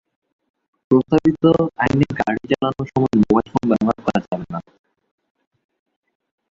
প্রস্তাবিত আইনে গাড়ি চালানোর সময় মোবাইল ফোন ব্যবহার করা যাবে না।